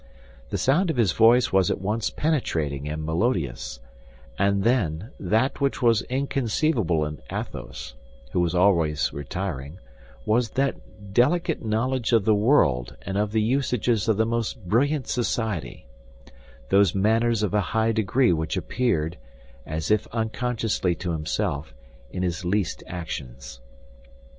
The sound of his voice was at once penetrating and melodious; and then, that which was inconceivable in Athos, who was always retiring, was that delicate knowledge of the world and of the usages of the most brilliant society—those manners of a high degree which appeared, as if unconsciously to himself, in his least actions.